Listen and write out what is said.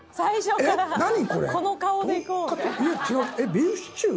ビーフシチュー？